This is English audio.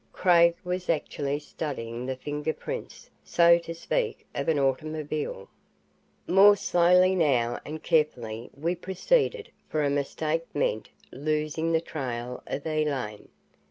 Craig was actually studying the finger prints, so to speak, of an automobile! More slowly now and carefully, we proceeded, for a mistake meant losing the trail of Elaine.